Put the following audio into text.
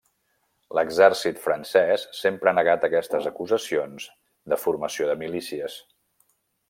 L'exèrcit francès sempre ha negat aquestes acusacions de formació de milícies.